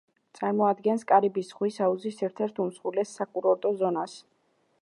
წარმოადგენს კარიბის ზღვის აუზის ერთ-ერთ უმსხვილეს საკურორტო ზონას.